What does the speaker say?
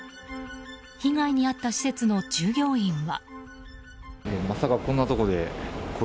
被害に遭った施設の従業員は。